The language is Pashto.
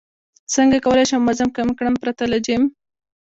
څنګه کولی شم وزن کم کړم پرته له جیم